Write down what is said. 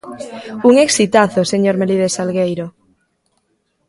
¡Un exitazo, señor Melide Salgueiro!